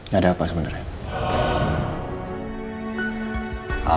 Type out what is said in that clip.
gak ada apa sebenarnya